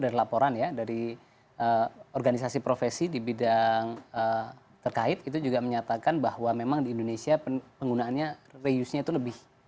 dari laporan ya dari organisasi profesi di bidang terkait itu juga menyatakan bahwa memang di indonesia penggunaannya reuse nya itu lebih